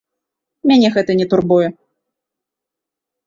Мяне гэта не турбуе.